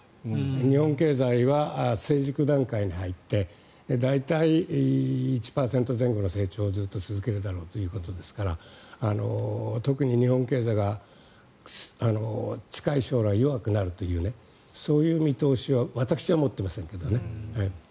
日本経済は成熟段階に入って大体１％前後の成長をずっと続けるだろうということですから特に日本経済が近い将来弱くなるというそういう見通しは私は持っていませんけどね。